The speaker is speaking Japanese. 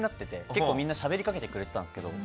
結構みんなしゃべりかけてくれてはいたんですけども。